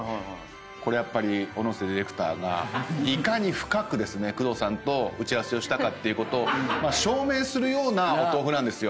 これやっぱり小野瀬ディレクターがいかに深く工藤さんと打ち合わせをしたかってことを証明するようなお豆腐なんですよ。